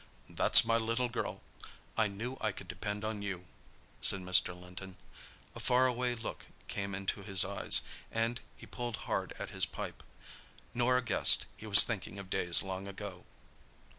"That's my little girl. I knew I could depend on you," said Mr. Linton. A far away look came into his eyes, and he pulled hard at his pipe. Norah guessed he was thinking of days of long ago.